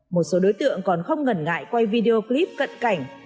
một số đối tượng còn không ngần ngại quay video clip cận cảnh